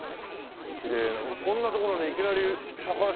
きれいなこんな所にいきなり酒屋さん。